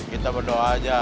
kita berdoa aja